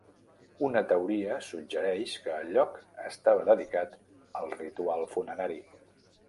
Una teoria suggereix que el lloc estava dedicat al ritual funerari.